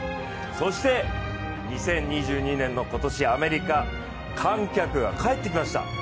そして２０２２年の今年アメリカ、観客が帰ってきました。